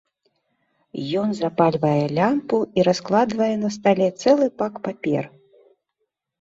Ён запальвае лямпу і раскладвае на стале цэлы пак папер.